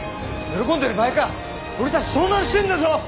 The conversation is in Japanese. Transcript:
喜んでる場合か俺たち遭難してんだぞ！